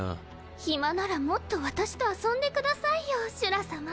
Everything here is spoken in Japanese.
暇ならもっと私と遊んでくださいよシュラさま。